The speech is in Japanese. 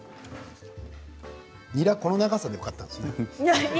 ニラ、この長さでよかったんですね。